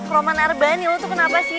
roman arbani lo tuh kenapa sih